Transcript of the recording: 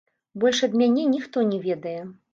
Больш ад мяне ніхто не ведае.